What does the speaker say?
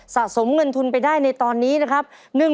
สะสมเงินทุนไปได้ในตอนนี้นะครับ